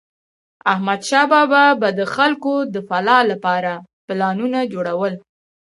احمدشاه بابا به د خلکو د فلاح لپاره پلانونه جوړول.